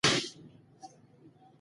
که واکسین ونه کړئ، روغتیا ته خطر دی.